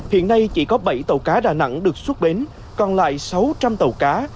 hiện nay chỉ có bảy tàu cá đà nẵng được xuất bến còn lại sáu trăm linh tàu cá